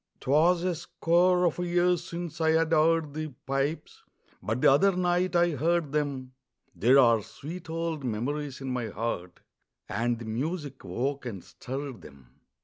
'Twas a score of years since I'd heard the pipes, But the other night I heard them; There are sweet old memories in my heart, And the music woke and stirred them.